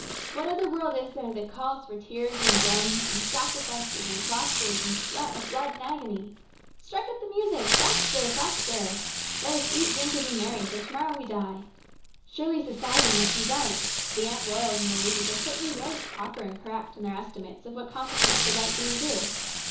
What other world is there that calls for tears and groans, and sacrifices and crosses, and sweat of blood and agony ? Strike up the music faster ! faster !" Let us eat, drink, and be merry, for to morrow we die." Surely society must be right. The Aunt Royals and the Louises are certainly very proper and correct in their estimates of what constitutes the right thing to do.